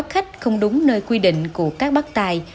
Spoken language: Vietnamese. không đúng nơi quy định của các bác tài